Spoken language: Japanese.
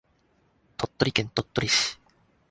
鳥取県鳥取市